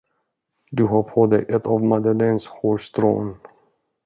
Du har på dig ett av Madeleines hårstrån.